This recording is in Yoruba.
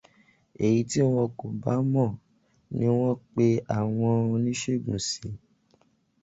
Èyí tí wọn kò bá mọ̀ ni wọ́n pe àwọn oníṣègùn sí.